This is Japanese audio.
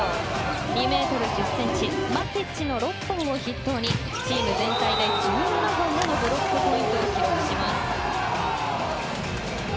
２ｍ１０ｃｍ、マティッチの６本を筆頭にチーム全体で１７本ものブロックポイントを記録します。